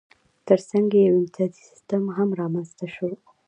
ترڅنګ یې یو امتیازي سیستم هم رامنځته شو.